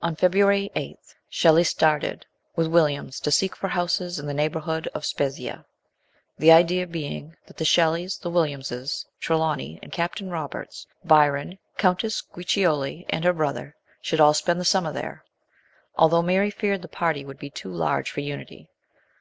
On February 8 Shelley started, with Williams, to seek for houses in the neighbourhood of Spezzia; the idea being that the Shelleys, the Williamses, Tre lawny and Captain Roberts, Byron, Countess Guiccioli and her brother, should all spend the summer there, although Mary feared the party would be too large LAST MONTHS WITH SHELLEY. 159 for unity.